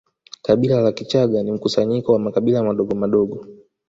Kabila la Kichaga ni mkusanyiko wa makabila madogomadogo